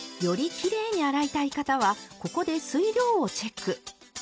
よりきれいに洗いたい方はここで水量をチェック。